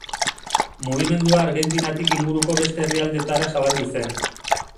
Mugimendua Argentinatik inguruko beste herrialdetara zabaldu zen.